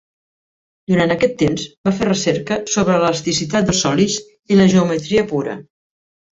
Durant aquest temps, va fer recerca sobre l'elasticitat dels sòlids i la geometria pura.